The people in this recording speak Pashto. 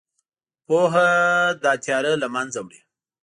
پوهه دا تیاره له منځه وړي.